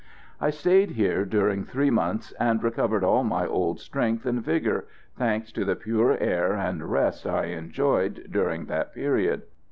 I stayed here during three months and recovered all my old strength and vigour, thanks to the pure air and rest I enjoyed during that period.